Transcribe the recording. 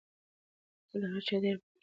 ته له هر چا سره په غوږ کې څه وایې؟